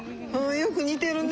よく似てるね。